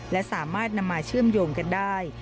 และสามารถนำมาเชื่อมโยงกันได้